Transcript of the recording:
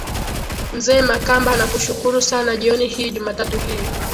mzee makamba nakushukuru sana jioni hii jumatatu hii